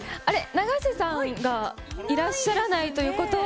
永瀬さんがいらっしゃらないということは。